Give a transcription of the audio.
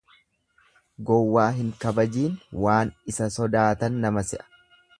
Gowwaa hin kabajiin waan isa sodaatan nama se'a.